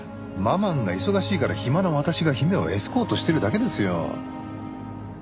ママンが忙しいから暇な私が姫をエスコートしてるだけですよ。